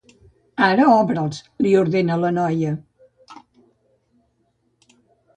Ara obre'ls —li ordena la noia—.